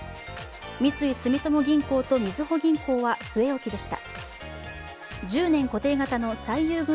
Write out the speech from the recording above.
三井住友銀行とみずほ銀行は据え置きでした。